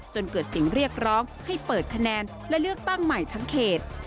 จนเกิดเสียงเรียกร้องให้เปิดคะแนนและเลือกตั้งใหม่ทั้งเขต